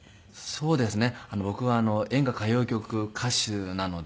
そうですね。